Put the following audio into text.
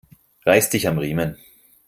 Reiß dich am Riemen